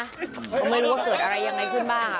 ก็ไม่รู้ว่าเกิดอะไรยังไงขึ้นบ้าง